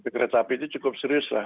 kereta api itu cukup serius